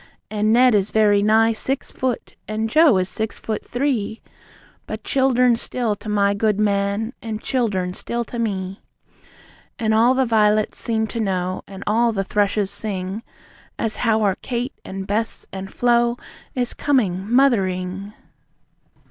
And Ned is very nigh six foot, and Joe is six foot three! But childern still to my good man, and childern still to me! And all the vi'lets seem to know, and all the thrushes sing, As how our Kate, and Bess and Flo is coming Mothering.